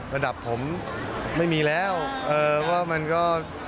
ระดับผมไม่มีแล้วเออว่ามันก็